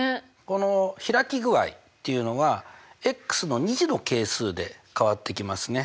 この開き具合っていうのはの２次の係数で変わってきますね。